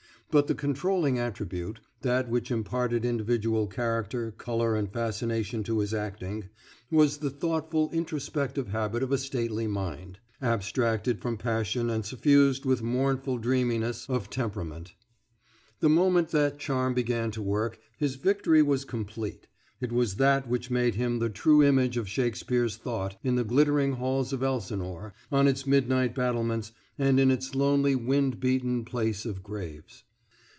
But the controlling attribute, that which imparted individual character, colour and fascination to his acting, was the thoughtful introspective habit of a stately mind, abstracted from passion and suffused with mournful dreaminess of temperament. The moment that charm began to work, his victory was complete. It was that which made him the true image of Shakespeare's thought, in the glittering halls of Elsinore, on its midnight battlements, and in its lonely, wind beaten place of graves.